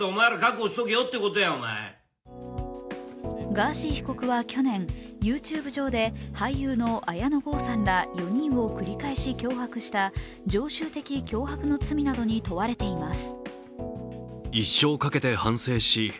ガーシー被告は去年、ＹｏｕＴｕｂｅ上で俳優の綾野剛さんら４人を繰り返し脅迫した常習的脅迫の罪などに問われています。